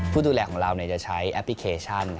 ผู้ดูแลของเราจะใช้แอปพลิเคชัน